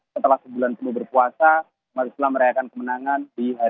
setelah sebulan semua berpuasa marislah merayakan kemenangan